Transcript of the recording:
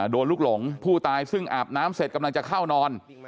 ลูกหลงผู้ตายซึ่งอาบน้ำเสร็จกำลังจะเข้านอน